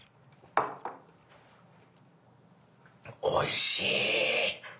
おいしい。